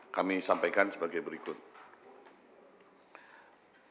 kami sampaikan sebagai berikut